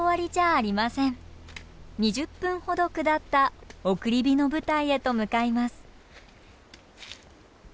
２０分ほど下った送り火の舞台へと向かいます。